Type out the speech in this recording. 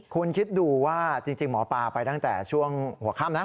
คุณคิดดูว่าจริงหมอปลาไปตั้งแต่ช่วงหัวค่ำนะ